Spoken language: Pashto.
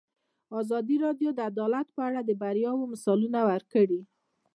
ازادي راډیو د عدالت په اړه د بریاوو مثالونه ورکړي.